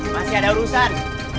masih ada urusan